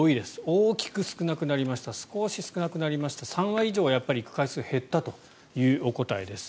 大きく少なくなりました少し少なくなりました３割以上は行く回数が減ったというお答えです。